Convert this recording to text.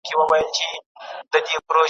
هغه مسله چي پېژندل سوي ده، ژر حل کیږي.